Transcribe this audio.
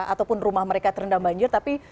ataupun rumah mereka terendam banjir tapi